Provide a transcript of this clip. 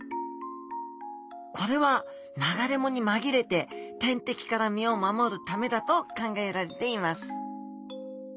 これは流れ藻に紛れて天敵から身を守るためだと考えられています